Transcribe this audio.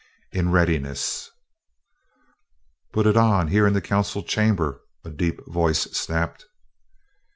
In readiness." "Put it on, here in the council chamber," a deep voice snapped.